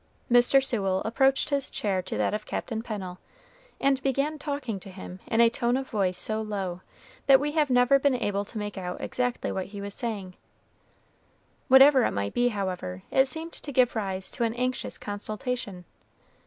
Mr. Sewell approached his chair to that of Captain Pennel, and began talking to him in a tone of voice so low, that we have never been able to make out exactly what he was saying. Whatever it might be, however, it seemed to give rise to an anxious consultation.